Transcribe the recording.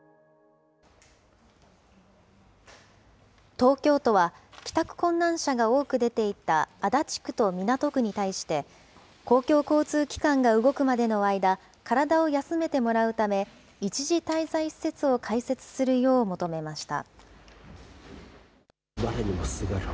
東京都は、帰宅困難者が多く出ていた足立区と港区に対して、公共交通機関が動くまでの間、体を休めてもらうため、一時滞在施設を開設するよう求めました。